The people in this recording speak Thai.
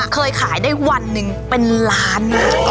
เคยขายได้วันหนึ่งเป็นล้าน